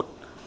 thưa quý vị